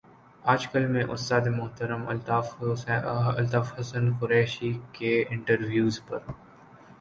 آج کل میں استاد محترم الطاف حسن قریشی کے انٹرویوز پر